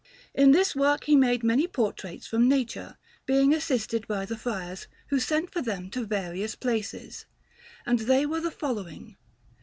In this work he made many portraits from nature, being assisted by the friars, who sent for them to various places; and they were the following: S.